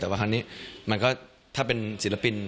แต่ว่าครั้งนี้มันก็ถ้าเป็นศิลปิน